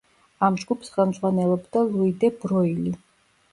ამ ჯგუფს ხელმძღვანელობდა ლუი დე ბროილი.